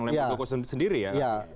oleh muldoko sendiri ya